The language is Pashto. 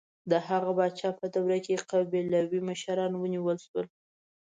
د هغه د پاچاهۍ په دوره کې قبیلوي مشران ونیول شول.